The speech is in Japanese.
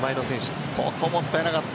ここもったいなかった。